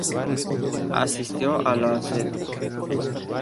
Asistió a la "St.